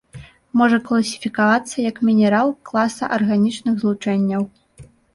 Можа класіфікавацца як мінерал класа арганічных злучэнняў.